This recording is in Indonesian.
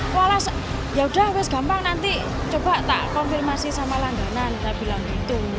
walau ya udah gampang nanti coba tak konfirmasi sama langganan saya bilang gitu